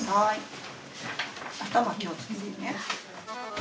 頭気をつけてね。